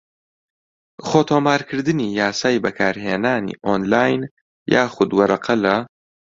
خۆتۆمارکردنی یاسای بەکارهێنانی ئۆنلاین یاخود وەرەقە لە